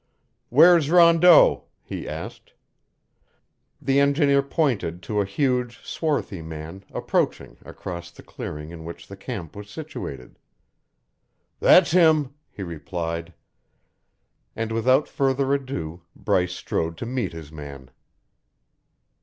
"Where's Rondeau?" he asked. The engineer pointed to a huge, swarthy man approaching across the clearing in which the camp was situated. "That's him," he replied. And without further ado, Bryce strode to meet his man.